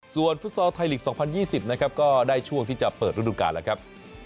ส่วนฟุตซอลไทยลีก๒๐๒๐นะครับก็ได้ช่วงที่จะเปิดฤดูการแล้วครับ